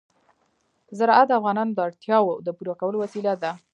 زراعت د افغانانو د اړتیاوو د پوره کولو وسیله ده.